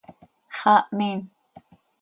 ¡Xaa mhiin!